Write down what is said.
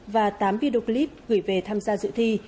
và tám video clip gửi về tham gia dự thi